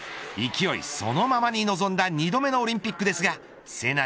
勢いそのままに臨んだ２度目のオリンピックですがせ